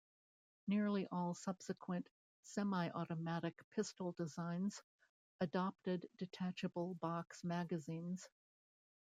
Nearly all subsequent semi-automatic pistol designs adopted detachable box magazines.